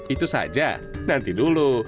itu saja nanti dulu